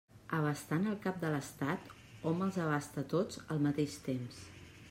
Abastant el cap de l'Estat, hom els abasta tots al mateix temps.